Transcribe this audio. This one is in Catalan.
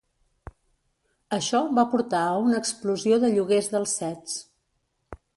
Això va portar a una explosió de lloguers dels sets.